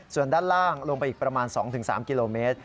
ส่วนด้านล่างลงไปอีกประมาณ๒๓กิโลเมตร